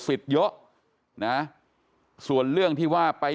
เมื่อยครับเมื่อยครับ